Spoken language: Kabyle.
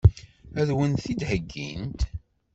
Ad wen-t-id-heggint?